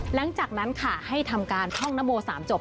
หลังจากนั้นค่ะให้ทำการท่องนโม๓จบ